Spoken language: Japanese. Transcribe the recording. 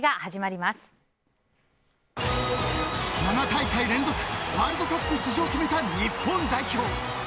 ７大会連続ワールドカップ出場を決めた日本代表。